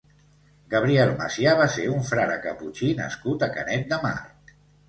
Gabriel Macià va ser un frare caputxí nascut a Canet de Mar.